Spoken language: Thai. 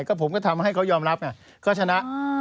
ก็ผมก็ทำให้เขายอมรับไงก็ชนะ